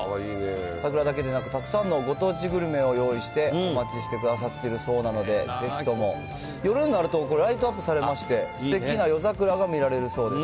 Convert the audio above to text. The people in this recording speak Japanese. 桜だけでなく、たくさんのご当地グルメをご用意してお待ちしてくださっているそうなので、ぜひとも。夜になるとこれ、ライトアップされまして、すてきな夜桜が見られるそうです。